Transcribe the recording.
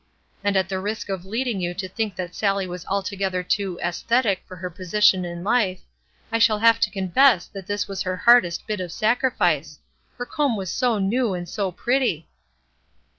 And at the risk of leading you to think that Sallie was altogether too "aesthetic" for her position in life, I shall have to confess that this was her hardest bit of sacrifice; her comb was so new and so pretty!